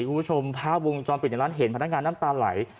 คุณผู้ชมภาพวงจรปิดในร้านเห็นพนักงานน้ำตาไหล